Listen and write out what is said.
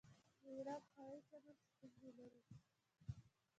د ایران هوايي چلند ستونزې لري.